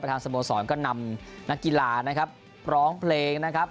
ทางสโมสรก็นำนักกีฬานะครับร้องเพลงนะครับ